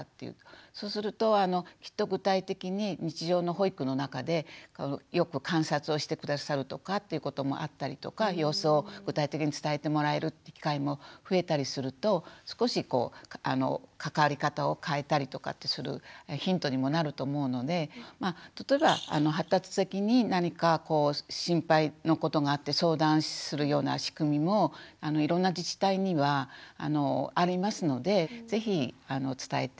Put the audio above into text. そうするときっと具体的に日常の保育の中でよく観察をして下さるとかっていうこともあったりとか様子を具体的に伝えてもらえる機会も増えたりすると少し関わり方を変えたりとかってするヒントにもなると思うので例えば発達的に何かこう心配のことがあって相談するような仕組みもいろんな自治体にはありますので是非伝えて頂けるといいかなっていうふうに思います。